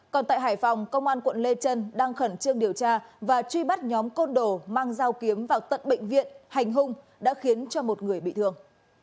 còn tại hải phòng công an quận lê trân đang khẩn trương điều tra và truy bắt nhóm côn đồ mang dao kiếm vào tận bệnh viện hành hung đã khiến cho một người bị thương